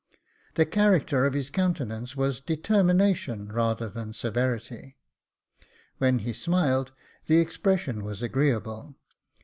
The character of his countenance was determination rather than severity. "When he smiled, the expression was agreeable.